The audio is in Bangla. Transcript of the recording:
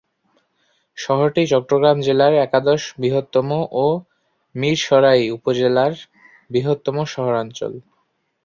শহরটি চট্টগ্রাম জেলার একাদশ বৃহত্তম ও মীরসরাই উপজেলার বৃহত্তম শহরাঞ্চল।